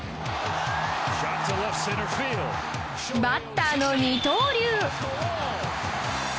バッターの二刀流